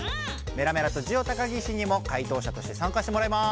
メラメラとジオ高岸にもかい答しゃとしてさんかしてもらいます。